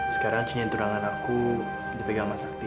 sekarang cincin tunangan aku dipegang sama sakti